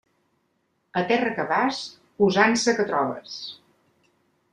A terra que vas, usança que trobes.